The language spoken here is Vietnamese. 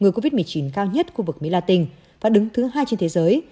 ngừa covid một mươi chín cao nhất khu vực mỹ latin và đứng thứ hai trên thế giới